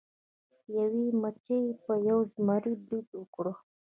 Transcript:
یوې مچۍ په یو زمري برید وکړ.